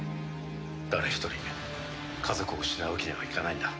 誰一人家族を失うわけにはいかないんだ。